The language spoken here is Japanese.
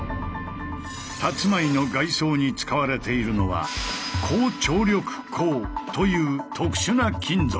たつまいの外装に使われているのは「高張力鋼」という特殊な金属。